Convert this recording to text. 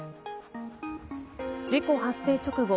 事故発生直後